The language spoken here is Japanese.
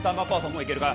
もういけるか？